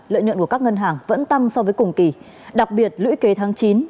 lợi nhuận của các ngân hàng vẫn tăng so với cùng kỳ đặc biệt lũy kế tháng chín